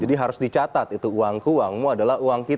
jadi harus dicatat itu uangku uangmu adalah uang kita